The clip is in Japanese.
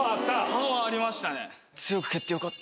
パワーありましたね。